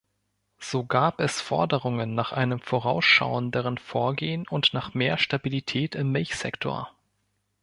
So gab es Forderungen nach einem vorausschauenderen Vorgehen und nach mehr Stabilität im Milchsektor.